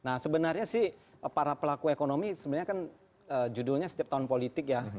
nah sebenarnya sih para pelaku ekonomi sebenarnya kan judulnya setiap tahun politik ya